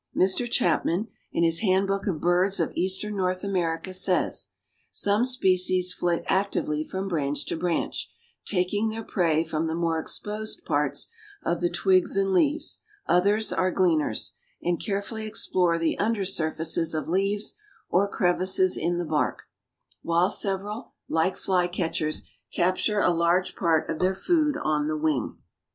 Mr. Chapman, in his Handbook of Birds of Eastern North America, says, "Some species flit actively from branch to branch, taking their prey from the more exposed parts of the twigs and leaves; others are gleaners, and carefully explore the under surfaces of leaves or crevices in the bark; while several, like Flycatchers, capture a large part of their food on the wing."